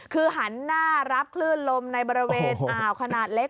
คือหันหน้ารับคลื่นลมในบริเวณอ่าวขนาดเล็ก